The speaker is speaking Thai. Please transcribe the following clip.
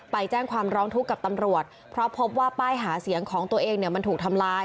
ไปแจ้งความร้องทุกข์กับตำรวจเพราะพบว่าป้ายหาเสียงของตัวเองเนี่ยมันถูกทำลาย